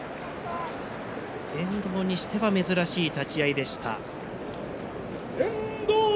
遠藤にしては珍しい立ち合いでした。